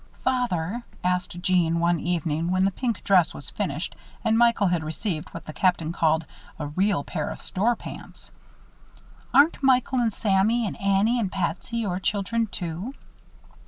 "Father," asked Jeanne, one evening, when the pink dress was finished and Michael had received what the Captain called "a real pair of store pants," "aren't Michael and Sammy and Annie and Patsy your children, too?"